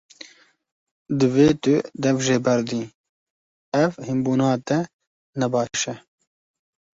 Divê tu dev jê berdî, ev hînbûna te ne baş e.